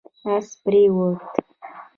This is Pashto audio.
اس پرېووت